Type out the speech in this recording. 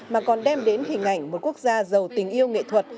mà còn đem đến hình ảnh một quốc gia giàu tình yêu nghệ thuật